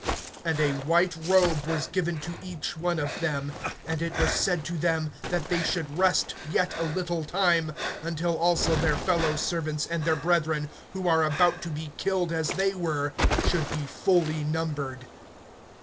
(11)And a white robe was given to each one of them; and it was said to them, that they should rest yet a little time, until also their fellow servants and their brethren, who are about to be killed as they were, should be fully numbered.